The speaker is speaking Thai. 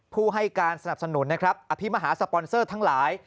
ผู้ให้การสนับสนุนนะครับอภิมหาสปอนเซอร์ทั้งหลาย